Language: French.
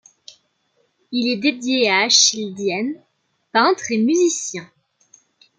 Il est dédié à Achille Dien, peintre et musicien.